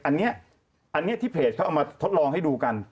อันนี้อันนี้ที่เพจเขาเอามาทดลองให้ดูกัน